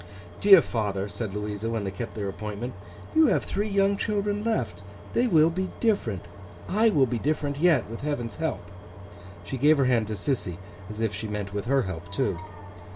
'Dear father,' said Louisa, when they kept their appointment, 'you have three young children left. They will be different, I will be different yet, with Heaven's help.' She gave her hand to Sissy, as if she meant with her help too.